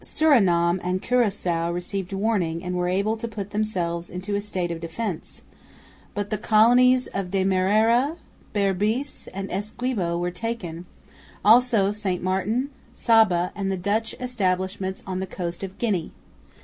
Surinam and Curaçoa received warning and were able to put themselves into a state of defence, but the colonies of Demerara, Berbice and Essequibo were taken, also St Martin, Saba and the Dutch establishments on the coast of Guinea.